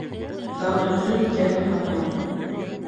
Дан өсөн йән һатма.